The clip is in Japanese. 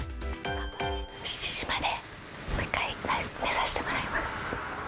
７時までもう１回、寝させてもらいます。